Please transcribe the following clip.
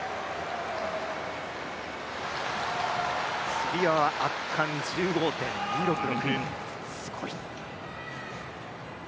つり輪は圧巻１５．２６６。